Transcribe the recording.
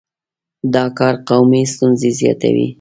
دا کار قومي ستونزې زیاتوي.